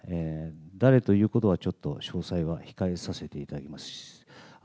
誰ということは、ちょっと詳細は控えさせていただきます。